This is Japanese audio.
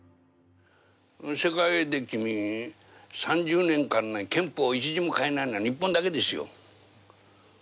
世界的に３０年間、憲法を一字も変えないのは日本だけですよ。